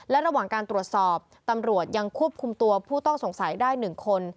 และระหว่างการตรวจสอบตำรวจยังควบคุมตัวผู้ต้องสงสัยได้๑คน